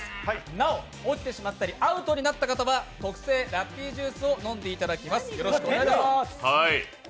なお、落ちてしまったりアウトになってしまった方は特製ラッピージュースを飲んでいただきます。